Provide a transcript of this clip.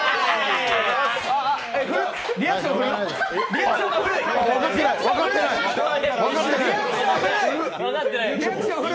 リアクションが古い！